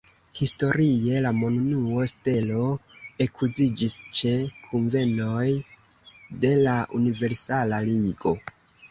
Historie, la monunuo stelo ekuziĝis ĉe kunvenoj de la Universala Ligo.